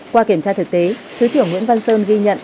qua kiểm tra thực tế thứ trưởng nguyễn văn sơn ghi nhận